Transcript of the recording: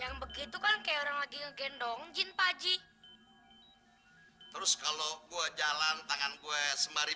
yang begitu kan kayak orang lagi ngegendong jin pagi terus kalau gue jalan tangan gue sembari